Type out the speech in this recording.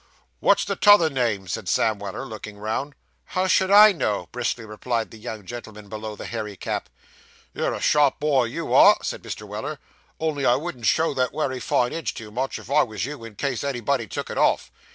'What's the t'other name?' said Sam Weller, looking round. 'How should I know?' briskly replied the young gentleman below the hairy cap. 'You're a sharp boy, you are,' said Mr. Weller; 'only I wouldn't show that wery fine edge too much, if I was you, in case anybody took it off.